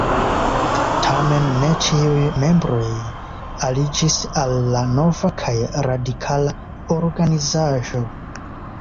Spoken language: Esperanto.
Tamen ne ĉiuj membroj aliĝis al la nova kaj radikala organizaĵo.